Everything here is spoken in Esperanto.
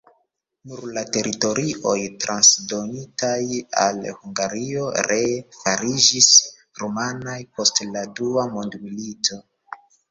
Nur la teritorioj transdonitaj al Hungario ree fariĝis rumanaj post la dua mondmilito.